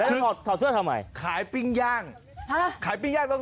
รอบของยามกุมานทอง